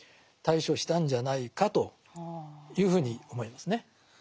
対処したんじゃないかというふうに思いますね。